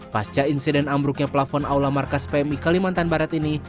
pasca insiden ambruknya plafon aula markas pmi kalimantan barat ini